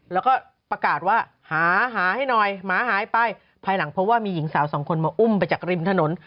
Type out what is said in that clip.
แล้วก็ประกาศว่าหาหาให้หน่อยหมาหายไปภายหลังพบว่ามีหญิงสาวสองคนมาอุ้มไปจากริมถนน